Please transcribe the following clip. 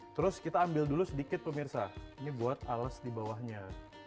terus kita ambil dulu sedikit pemirsa ini buat alas di bawahnya